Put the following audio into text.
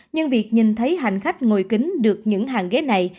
nhưng việc nhìn thấy hành khách ngồi kính được những hàng ghế này